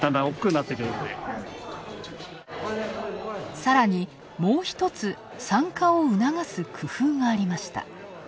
さらに、もう一つ、参加を促す工夫がありました。